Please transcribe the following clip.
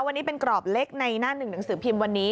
วันนี้เป็นกรอบเล็กในหน้าหนึ่งหนังสือพิมพ์วันนี้